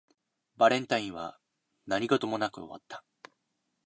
バレンタインは何事もなく終わった